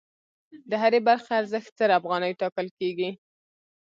د هرې برخې ارزښت زر افغانۍ ټاکل کېږي